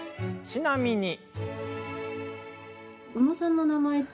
ちなみに。